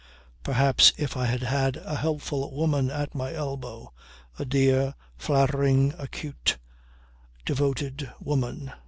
Perhaps if I had had a helpful woman at my elbow, a dear, flattering acute, devoted woman